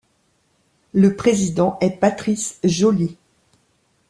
Le président est Patrice Joly.